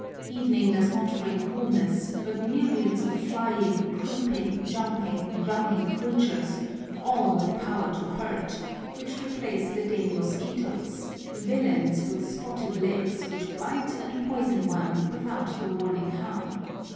Evening does not bring coolness, but myriads of flying, creeping, jumping, running creatures, all with power to hurt, which replace the day mosquitoes, villains with spotted legs, which bite and poison one without the warning hum.